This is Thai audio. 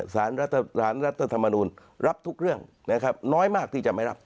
สารรัฐธรรมนูลรับทุกเรื่องนะครับน้อยมากที่จะไม่รับ